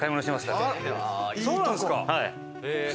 はい。